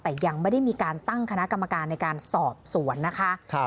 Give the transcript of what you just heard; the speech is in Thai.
แต่ยังไม่ได้มีการตั้งคณะกรรมการในการสอบสวนนะคะ